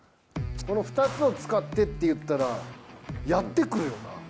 この２つを使ってって言ったらやってくるよな。